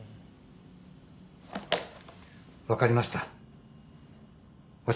分かりました。